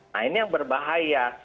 nah ini yang berbahaya